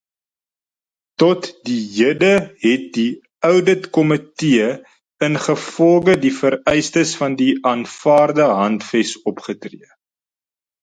Tot die hede het die ouditkomitee ingevolge die vereistes van die aanvaarde handves opgetree.